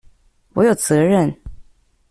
我有責任